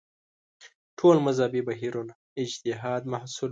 ټول مذهبي بهیرونه اجتهاد محصول وو